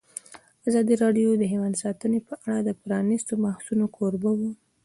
ازادي راډیو د حیوان ساتنه په اړه د پرانیستو بحثونو کوربه وه.